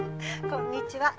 こんにちは。